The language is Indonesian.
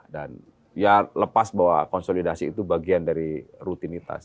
dan ya lepas bahwa konsolidasi itu bagian dari rutinitas